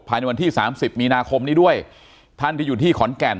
ภายในวันที่สามสิบมีนาคมนี้ด้วยท่านที่อยู่ที่ขอนแก่น